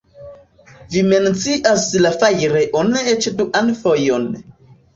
Vi mencias la fajrejon eĉ duan fojon.